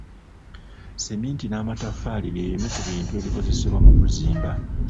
Sseminti n'amatafaali by'ebimu ku bintu ebikozesebwa mu kuzimba.